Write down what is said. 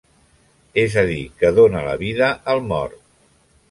És a dir, que dóna la vida al mort.